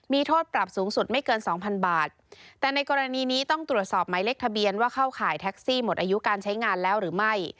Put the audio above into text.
มีโทษปรับสูงสุดไม่เกินสองพันบาทแต่ในกรณีนี้ต้องตรวจสอบหมายเลขทะเบียนว่าเข้าข่ายแท็กซี่หมดอายุการใช้งานแล้วหรือไม่